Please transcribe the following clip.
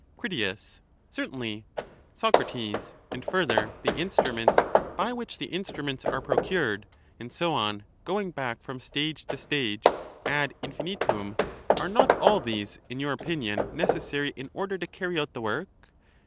Crit. Certainly. Soc. And further, the instruments by which the instruments 404 are procured, and so on, going back from stage to stage ad infinitum. — are not all these, in your opinion, necessary in order to earn* out the work?